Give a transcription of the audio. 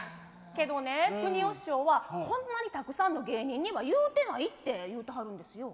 けどねくにお師匠はこんなにたくさんの芸人には言うてないって言うてはるんですよ。